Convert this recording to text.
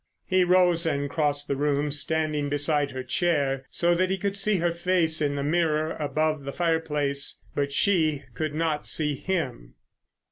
He rose and crossed the room, standing behind her chair so that he could see her face in the mirror above the fireplace, but she could not see him.